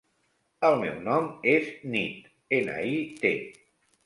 El meu nom és Nit: ena, i, te.